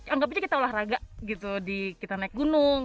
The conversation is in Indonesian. anggap aja kita olahraga gitu di kita naik gunung